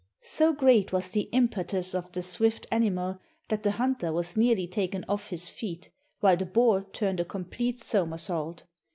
So great was the impetus of the swift animal that the hunter was nearly taken off his feet, while the boar turned a complete somersault.